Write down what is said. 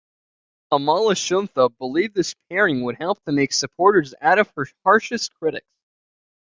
Amalasuntha believed this pairing would help to make supporters out of her harshest critics.